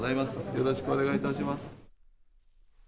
よろしくお願いいたしします。